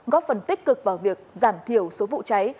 góp phần tích cực vào việc giảm thiểu số vụ cháy